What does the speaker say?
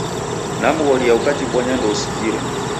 Namghoria ukajibonya ndousikire.